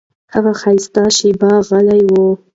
هغه ښایسته شېبه غلی و.